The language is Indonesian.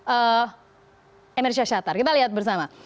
emir syahshatar kita lihat bersama